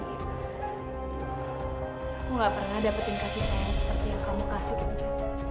aku nggak pernah dapetin kasih sayang seperti yang kamu kasih ke dia